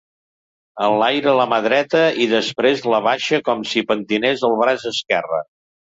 Enlaira la mà dreta i després l'abaixa com si pentinés el braç esquerra.